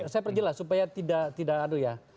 saya perjelas supaya tidak adu ya